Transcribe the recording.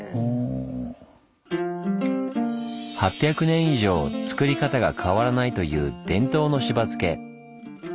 ８００年以上つくり方が変わらないという伝統のしば漬け。